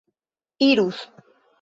irus